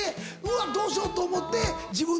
うわっどうしよう！と思って。